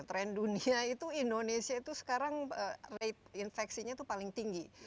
tren dunia itu indonesia itu sekarang rate infeksinya itu paling tinggi